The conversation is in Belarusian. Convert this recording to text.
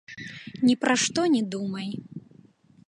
Ні пра што не думай.